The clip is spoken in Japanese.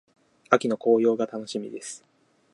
秋の紅葉が楽しみです。